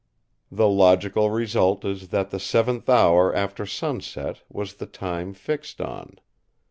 The logical result is that the seventh hour after sunset was the time fixed on.